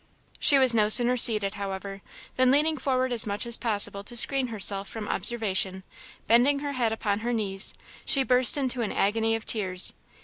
She was no sooner seated, however, than, leaning forward as much as possible to screen herself from observation, bending her head upon her knees, she burst into an agony of tears.